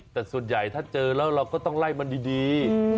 แต่ส่วนใหญ่ถ้าเจอแล้วเราก็ต้องไล่มันดี